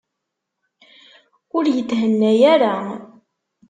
Ur yethenna ara.